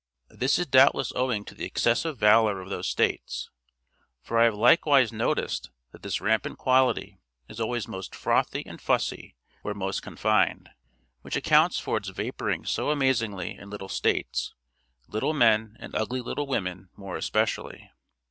This is doubtless owing to the excessive valor of those states; for I have likewise noticed that this rampant quality is always most frothy and fussy where most confined; which accounts for its vaporing so amazingly in little states, little men and ugly little women more especially.